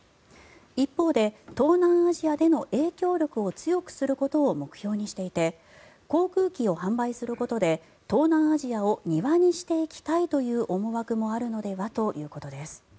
一方で、東南アジアでの影響力を強くすることを目標にしていて航空機を販売することで東南アジアを庭にしていきたいという思惑もあるのではということです。